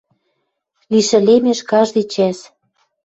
Лишӹлемеш каждый чӓс